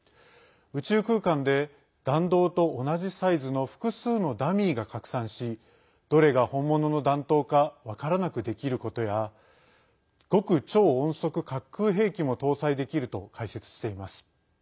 宇宙空間で弾道と同じサイズの複数のダミーが拡散しどれが本物の弾頭か分からなくできることや極超音速滑空兵器も搭載できると解説しています。